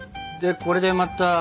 これでまた。